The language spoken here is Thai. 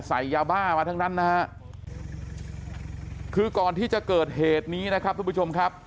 ใส่ยาบ้ามาทั้งนั้นนะฮะคือก่อนที่จะเกิดเหตุนี้นะครับทุกผู้ชมครับ